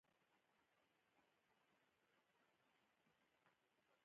آزاد تجارت مهم دی ځکه چې چاپیریال ساتنه کې مرسته کوي.